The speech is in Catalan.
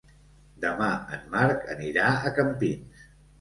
Demà en Marc anirà a Campins.